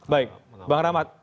baik bang rahmat